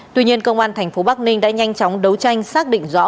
tuy nhiên công an thành phố bắc ninh đã nhanh chóng đấu tranh xác định rõ